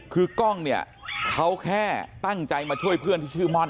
คือกล้องเนี่ยเขาแค่ตั้งใจมาช่วยเพื่อนที่ชื่อม่อน